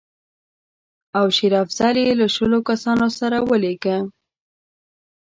او شېر افضل یې له شلو کسانو سره ولېږه.